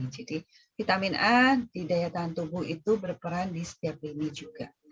jadi vitamin a di daya tahan tubuh itu berperan di setiap lini juga